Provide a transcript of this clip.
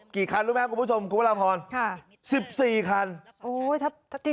กี่คันรู้ไหมครับคุณผู้ชมคุณพระราพรณ์สิบสี่คันค่ะโอ้โฮ